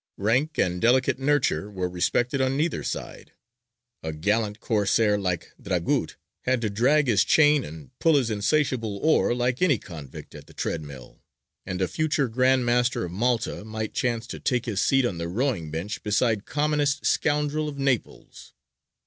Rank and delicate nurture were respected on neither side: a gallant Corsair like Dragut had to drag his chain and pull his insatiable oar like any convict at the treadmill, and a future grand master of Malta might chance to take his seat on the rowing bench beside commonest scoundrel of Naples.